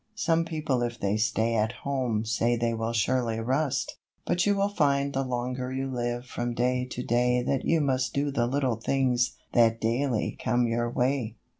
Some people if they stay at home Say they will surely rust. But you will find the longer You live from day to day That you must do the little things That daily come your way.